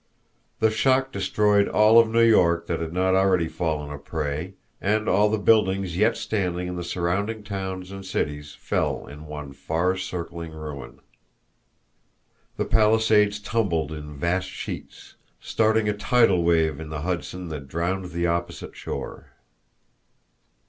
The shock destroyed all of New York that had not already fallen a prey, and all the buildings yet standing in the surrounding towns and cities fell in one far circling ruin. The Palisades tumbled in vast sheets, starting a tidal wave in the Hudson that drowned the opposite shore.